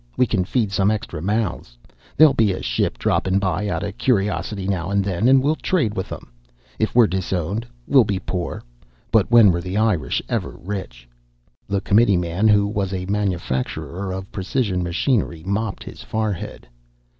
We can feed some extra mouths. There'll be a ship droppin' by out of curiosity now and then, and we'll trade with 'em. If were disowned we'll be poor. But when were the Irish ever rich?" The committeeman who was a manufacturer of precision machinery mopped his forehead.